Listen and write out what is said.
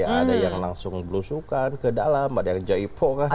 ada yang langsung belusukan ke dalam ada yang jaipongan